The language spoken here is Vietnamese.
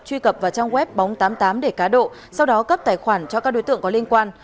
truy cập vào trang web bóng tám mươi tám để cá độ sau đó cấp tài khoản cho các đối tượng có liên quan